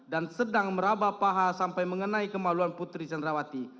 dan sedang merabah paha sampai mengenai kemaluan putri candrawati